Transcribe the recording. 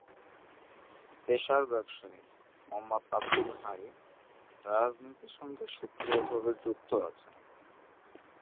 পেশার ব্যবসায়ী মো: আব্দুল হাই রাজনীতির সঙ্গে সক্রিয় ভাবে যুক্ত আছেন।